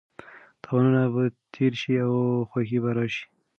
تاوانونه به تېر شي او خوښي به راشي.